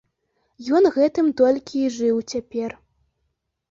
Ён гэтым толькі і жыў цяпер.